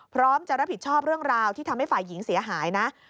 พร้อมจะรับผิดชอบเรื่องราวที่ทำให้ฝ่ายหญิงเสียหายนะ